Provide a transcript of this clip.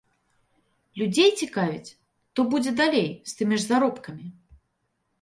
Людзей цікавіць, то будзе далей, з тымі ж заробкамі.